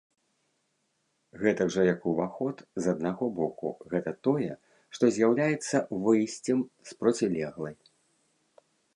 Гэтак жа як уваход з аднаго боку гэта тое, што з'яўляецца выйсцем з процілеглай.